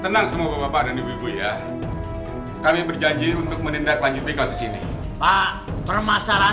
tenang semua bapak dan ibu ya kami berjanji untuk menindak lanjut dikasih sini pak permasalahan